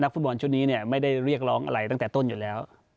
ฟุตบอลชุดนี้ไม่ได้เรียกร้องอะไรตั้งแต่ต้นอยู่แล้ว